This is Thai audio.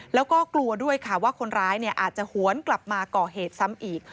แล้วก็กลัวด้วยค่ะว่าคนร้ายอาจจะหวนกลับมาก่อเหตุซ้ำอีก